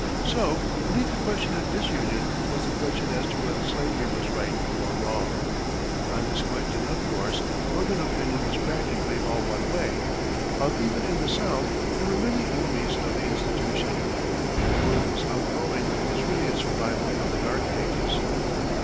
So, beneath the question of disunion, was the question as to whether slavery was right or wrong. On this question, of course, northern opinion was practically all one way, while even in the South there were many enemies of the institution. The world was outgrowing what was really a survival of the dark ages.